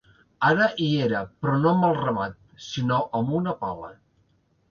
Ara hi era, però no amb el ramat, sinó amb una pala.